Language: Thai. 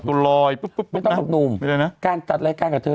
ไม่ต้องฝึกหนุ่มนี่แหละนะการตัดรายการกับเธอ